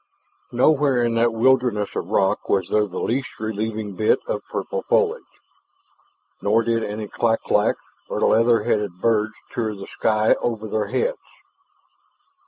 Nowhere in that wilderness of rock was there the least relieving bit of purple foliage. Nor did any clak claks or leather headed birds tour the sky over their heads.